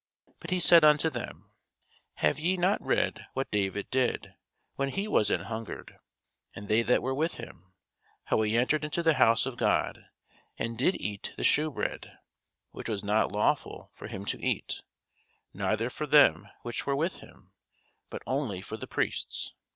But he said unto them, Have ye not read what David did, when he was an hungred, and they that were with him; how he entered into the house of God, and did eat the shewbread, which was not lawful for him to eat, neither for them which were with him, but only for the priests?